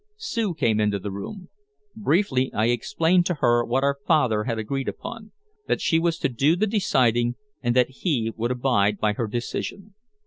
Sue came into the room. Briefly I explained to her what our father had agreed upon, that she was to do the deciding and that he would abide by her decision.